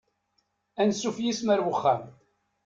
Ansuf yes-m ar uxxam.